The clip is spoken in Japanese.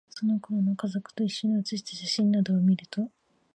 その頃の、家族達と一緒に写した写真などを見ると、